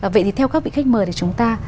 vậy thì theo các vị khách mời thì chúng ta